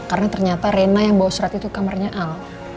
karena ternyata rena yang bawa surat itu kamarnya al